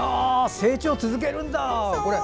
成長続けるんだ！